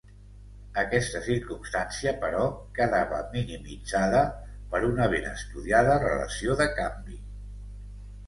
Aquesta circumstància, però, quedava minimitzada per una ben estudiada relació de canvi.